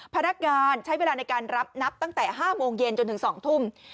พนักงานใช้เวลาในการรับนับตั้งแต่๕โมงเย็นจนถึง๒ทุ่ม